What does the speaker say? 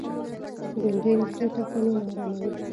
بېنډۍ د زړه ټکانونه آراموي